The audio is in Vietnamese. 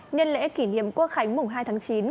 nhân lễ kỷ niệm quốc khánh mùng phúc